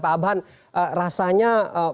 pak abhan rasanya